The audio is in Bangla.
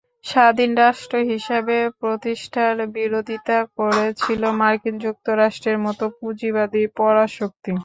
স্বাধীন রাষ্ট্র হিসেবে প্রতিষ্ঠার বিরোধিতা করেছিল মার্কিন যুক্তরাষ্ট্রের মতো পুঁজিবাদী পরাশক্তি।